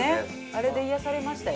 あれで癒やされましたよ。